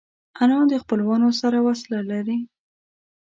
انا د خپلوانو سره وصله لري